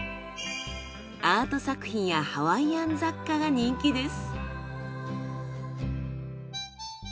アート作品やハワイアン雑貨が人気です。